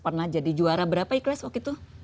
pernah jadi juara berapa ikhlas waktu itu